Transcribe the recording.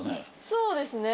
そうですね。